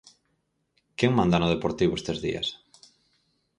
Quen manda no Deportivo estes días?